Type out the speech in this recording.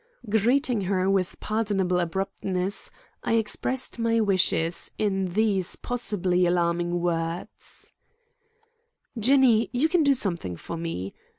Greeting her with pardonable abruptness, I expressed my wishes in these possibly alarming words: "Jinny, you can do something for me.